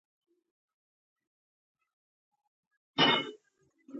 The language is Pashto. دوی په پای کې د کابینې په کشوګانو موافقه کړې وه